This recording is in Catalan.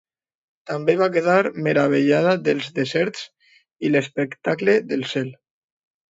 També va quedar meravellada dels deserts i l'espectacle del cel.